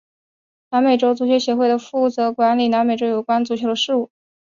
南美洲足球协会是负责管理南美洲有关足球的事务。